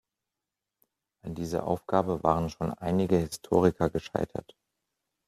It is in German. An dieser Aufgabe waren schon einige Historiker gescheitert.